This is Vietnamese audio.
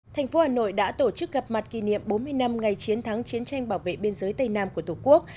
thành phố hà nội đã tổ chức gặp mặt kỷ niệm bốn mươi năm ngày chiến thắng chiến tranh bảo vệ biên giới tây nam của tổ quốc